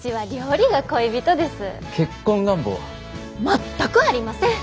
全くありません！